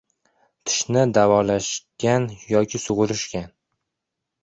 tishni davolashgan yoki sug‘urishgan.